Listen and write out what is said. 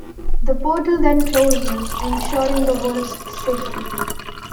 The portal then closes, ensuring the world's safety.